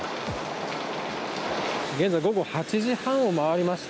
現在、午後８時半を回りました。